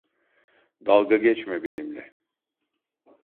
Dalga geçme benimle.